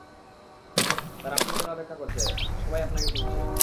তারা আপনার জন্য অপেক্ষা করছে, সবাই আপনাকে খুঁজছে।